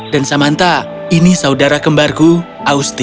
dan samantha ini saudara kembarku austin